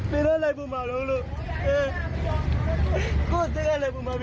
นี่เค้าเรียกชื่อแฟนใช่ไหม